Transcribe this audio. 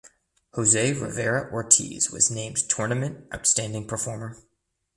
Jose Rivera Ortiz was named Tournament Outstanding Performer.